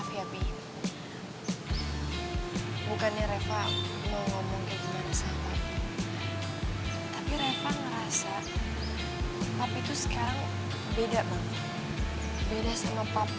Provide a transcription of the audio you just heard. iya beneran itu tristan temen s sama gue